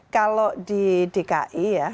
kalau di dki ya